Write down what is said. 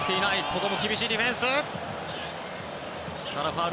ここも厳しいディフェンス。